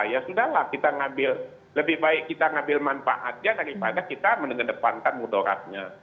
ya sudah lah kita ngambil lebih baik kita ngambil manfaatnya daripada kita mengedepankan mudoratnya